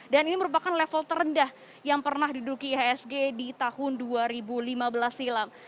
dan ini merupakan level terendah yang pernah diduduki ihsg di tahun dua ribu lima belas silam